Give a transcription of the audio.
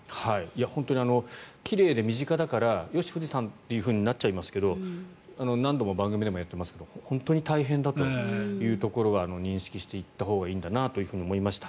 本当に奇麗で身近だからよし、富士山となっちゃいますけど何度も番組でもやっていますが本当に大変だというところは認識していったほうがいいと思いました。